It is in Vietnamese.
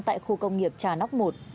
tại khu công nghiệp trà nóc một